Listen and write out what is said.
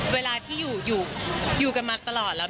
เวลาที่อยู่กันมาตลอดแล้ว